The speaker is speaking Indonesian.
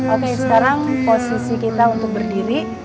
oke sekarang posisi kita untuk berdiri